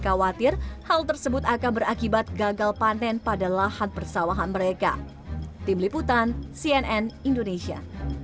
khawatir hal tersebut akan berakibat gagal panen pada lahan persawahan mereka tim liputan cnn indonesia